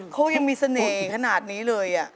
เขายังมีเสน่ห์ขนาดนี้เลย